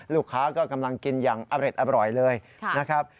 ลูกค้าก็กำลังกินอย่างอร่อยเลยนะครับ